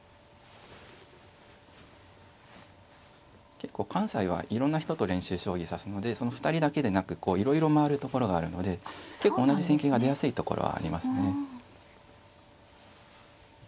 結構関西はいろんな人と練習将棋指すのでその２人だけでなくいろいろ回るところがあるので結構同じ戦型が出やすいところはありますね。